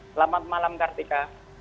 selamat malam kartika